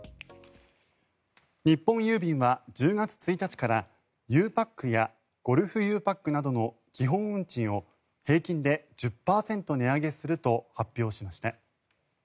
日本郵便は１０月１日からゆうパックやゴルフゆうパックなどの基本運賃を平均で１０％値上げすると発表しました。